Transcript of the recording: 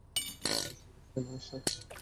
শেষ উপদেশ, তাই না মাস্টার?